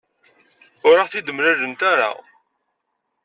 Ur aɣ-t-id-mlant ara.